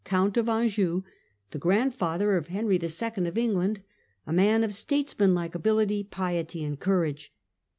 Count of mm43 Anjou, the grandfather of Henry II. of England, a man of statesmanlike ability, piety and courage.